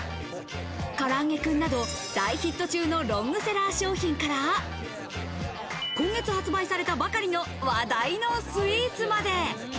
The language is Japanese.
からあげクンなど、大ヒット中のロングセラー商品から今月発売されたばかりの話題のスイーツまで。